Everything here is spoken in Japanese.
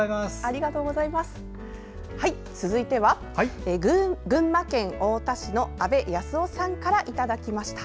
続いては群馬県太田市の阿部康夫さんからいただきました。